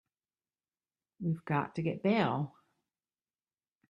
We've got to get bail.